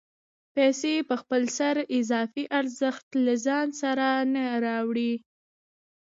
پیسې په خپل سر اضافي ارزښت له ځان سره نه راوړي